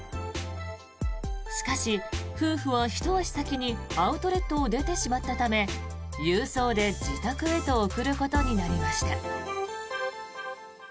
しかし、夫婦はひと足先にアウトレットを出てしまったため郵送で自宅へと送ることになりました。